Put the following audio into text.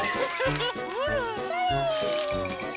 それ。